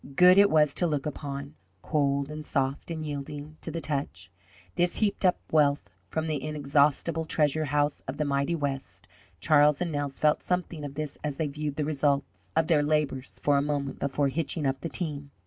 Good it was to look upon, cold and soft and yielding to the touch, this heaped up wealth from the inexhaustible treasure house of the mighty West. Charlie and Nels felt something of this as they viewed the results of their labours for a moment before hitching up the team.